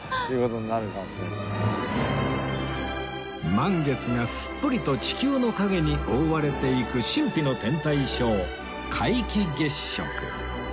満月がすっぽりと地球の影に覆われていく神秘の天体ショー皆既月食